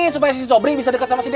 supaya si sobri bisa deket sama si dede